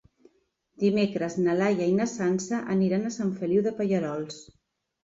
Dimecres na Laia i na Sança aniran a Sant Feliu de Pallerols.